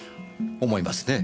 思いますね。